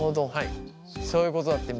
そういうことだってみーすけ。